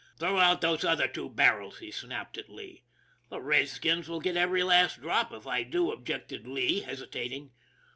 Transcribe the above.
:' Throw out those other two barrels !" he snapped at Lee. 'The redskins will get every last drop if I do," objected Lee, hesitating.